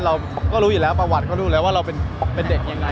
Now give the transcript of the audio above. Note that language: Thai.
เราก็รู้อย่างนี้แล้วประวัติก็รู้แล้วว่าเราเป็นเด็กอย่างไร